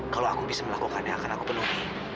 kalau aku bisa melakukannya akan aku penuhi